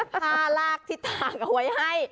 เก็บผ้ารากที่ต่างเอาไว้ให้